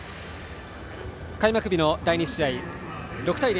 開幕日の第２試合、６対０。